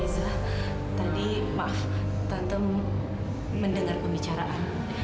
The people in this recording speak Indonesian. izza tadi maaf tante mendengar pembicaraan